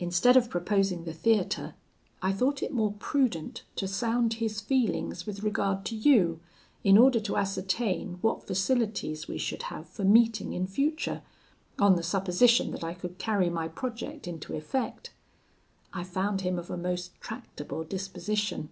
"'Instead of proposing the theatre, I thought it more prudent to sound his feelings with regard to you, in order to ascertain what facilities we should have for meeting in future, on the supposition that I could carry my project into effect. I found him of a most tractable disposition.